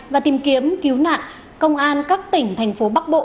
và tìm kiếm cứu nạn công an các tỉnh thành phố bắc bộ